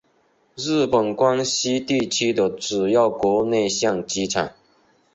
日本关西地区的主要国内线机场。